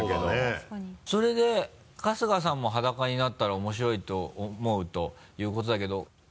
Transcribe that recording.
それで春日さんも裸になったら面白いと思うということだけど。